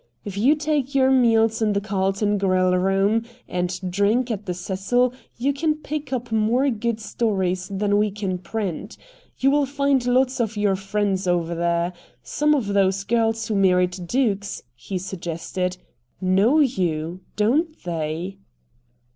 If you take your meals in the Carlton grill room and drink at the Cecil you can pick up more good stories than we can print. You will find lots of your friends over there. Some of those girls who married dukes," he suggested, "know you, don't they?"